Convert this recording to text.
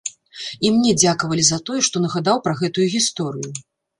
І мне дзякавалі за тое, што нагадаў пра гэтую гісторыю.